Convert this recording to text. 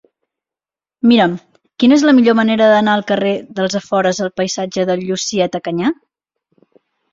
Mira'm quina és la millor manera d'anar del carrer dels Afores al passatge de Llucieta Canyà.